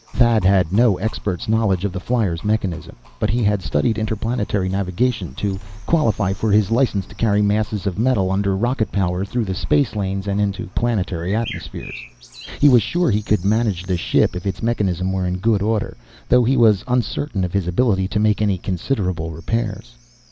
Thad had no expert's knowledge of the flier's mechanism. But he had studied interplanetary navigation, to qualify for his license to carry masses of metal under rocket power through the space lanes and into planetary atmospheres. He was sure he could manage the ship if its mechanism were in good order, though he was uncertain of his ability to make any considerable repairs.